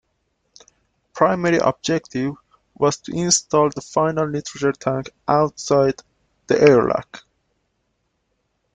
Primary objective was to install the final nitrogen tank outside the airlock.